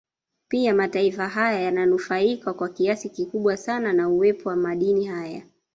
Pia mataifa haya yananufaika kwa kiasi kikubwa sana na uwepo wa madini haya